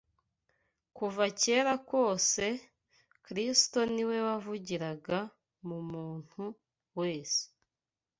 Kuva kera kose, Kristo ni we wavugiraga mu muntu wese